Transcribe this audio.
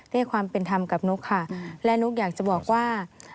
ให้ความเป็นธรรมกับนุ๊กค่ะและนุ๊กอยากจะบอกว่า